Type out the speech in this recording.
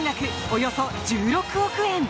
およそ１６億円。